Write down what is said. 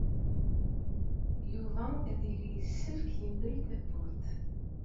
Yuba ad yili yessefk yemdel tawwurt.